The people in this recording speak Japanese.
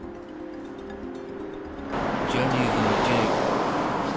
ジャニーズのＪ。